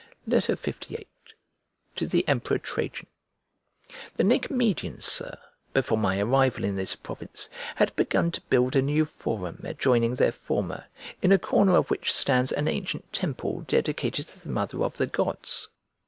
LVIII To THE EMPEROR TRAJAN THE Nicomedians, Sir, before my arrival in this province, had begun to build a new forum adjoining their former, in a corner of which stands an ancient temple dedicated to the mother of the gods.